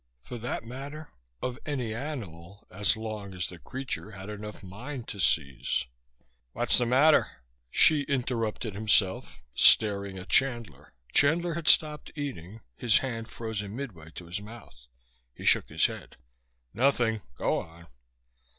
For that matter, of any animal, as long as the creature had enough "mind" to seize "What's the matter?" Hsi interrupted himself, staring at Chandler. Chandler had stopped eating, his hand frozen midway to his mouth. He shook his head. "Nothing. Go on."